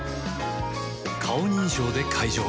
顔認証で解錠